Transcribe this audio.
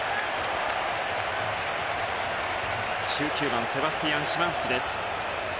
１９番セバスティアン・シマンスキ。